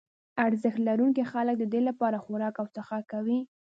ارزښت لرونکي خلک ددې لپاره خوراک او څښاک کوي.